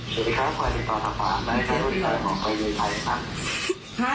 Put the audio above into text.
สวัสดีครับก่อนติดต่อตั้งป่าว